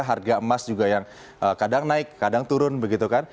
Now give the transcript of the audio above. harga emas juga yang kadang naik kadang turun begitu kan